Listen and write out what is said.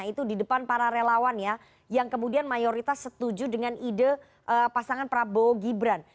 itu di depan para relawan ya yang kemudian mayoritas setuju dengan ide pasangan prabowo gibran